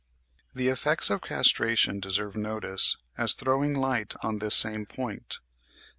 The effects of castration deserve notice, as throwing light on this same point.